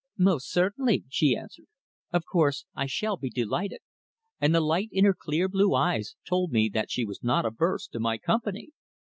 "Most certainly," she answered. "Of course I shall be delighted," and the light in her clear blue eyes told me that she was not averse to my company.